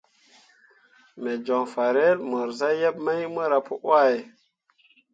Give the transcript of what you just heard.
Me joŋ farel mor zah yeb mai mora pǝ wahe.